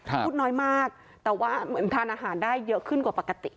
พูดน้อยมากแต่ว่าเหมือนทานอาหารได้เยอะขึ้นกว่าปกติ